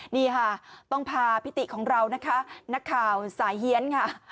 นี่ค่ะต้องพาพิติของเรานะคะนักข่าวสายเฮียนค่ะ